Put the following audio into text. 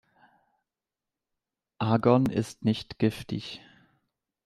Argon ist nicht giftig.